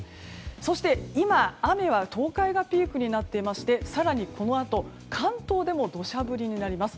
そして、今、雨は東海がピークになっていまして更にこのあと関東でも土砂降りになります。